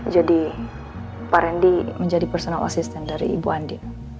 jadi pak rendy menjadi personal assistant dari ibu andi